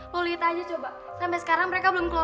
buat siapa aja kamu mau